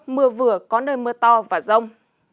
mưa vừa có nơi mưa to và rông